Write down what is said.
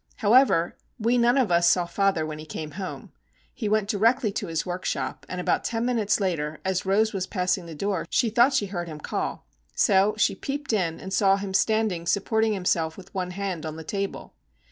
However, we none of us saw father when he came home. He went directly to his workshop, and about ten minutes later, as Rose was passing the door she thought she heard him call. So she peeped in, and saw him standing supporting himself with one hand on the table.